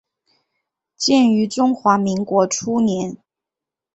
建于中华民国初年。